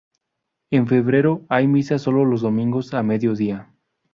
En febrero hay misa sólo los domingos a mediodía.